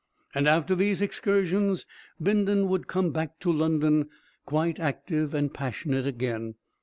And after these excursions, Bindon would come back to London quite active and passionate again.